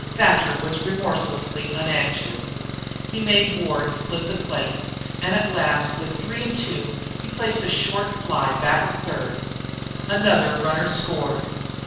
Thatcher was remorselessly unanxious. He made Ward split the plate, and at last with three and two he placed a short fly back of third. Another runner scored.